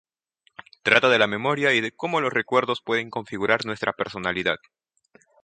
Trata de la memoria y de cómo los recuerdos pueden configurar nuestra personalidad.